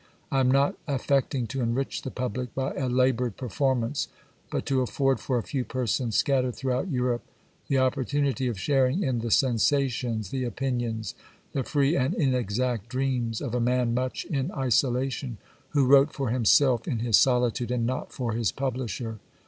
I am not affect ing to enrich the public by a laboured performance but to afford for a few persons, scattered throughout Europe, the opportunity of sharing in the sensations, the opinions, the free and inexact dreams of a man much in isola tion, who wrote for himself in his solitude and not for his publisher.